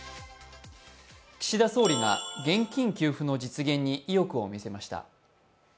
岸田総理が現金給付の実現に意欲を見せました。